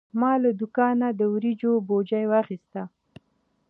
ما له دوکانه د وریجو بوجي واخیست.